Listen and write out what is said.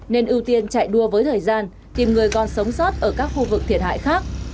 nên ưu tiên chạy đua với thời gian tìm người còn sống sót ở các khu vực thiệt hại khác